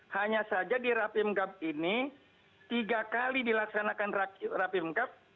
hanya saja di rapim gap ini tiga kali dilaksanakan rapim gap